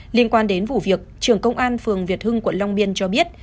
liên quan đến vụ việc trưởng công an phường việt hưng quận long biên cho biết